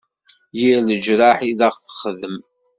Yir leǧreḥ i d aɣ-texdem.